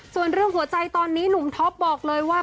ส่วนเรื่องหัวใจตอนนี้หนุ่มท็อปบอกเลยว่า